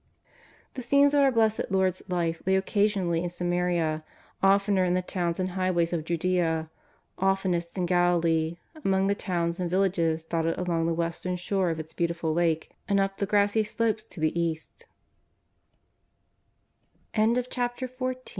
The scenes of our Blessed Lord's Life lay occasionally in Samaria, oftener in the towns and highways of Judea, oftenest in Galilee, among the towns and villages dotted along the western shore of its beautiful lake, and up the gr